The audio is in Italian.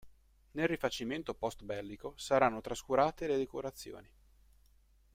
Nel rifacimento post-bellico saranno trascurate le decorazioni.